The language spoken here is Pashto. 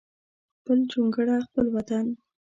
خپل جونګړه خپل وطن